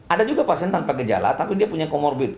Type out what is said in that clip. ada juga pasien tanpa gejala tapi dia punya comorbid